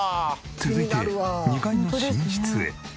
続いて２階の寝室へ。